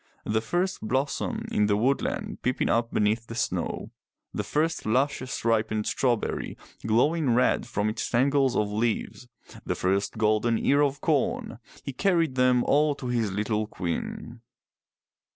The first blossom in the woodland peeping up beneath the snow, the first luscious ripened strawberry glowing red from its tangle of leaves, the first golden ear of corn, — he carried them all to his little queen.